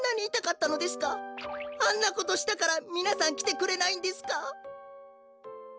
あんなことしたからみなさんきてくれないんですか？